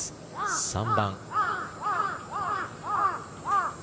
３番。